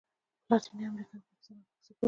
په لاتینه امریکا کې برازیل او مکسیکو دي.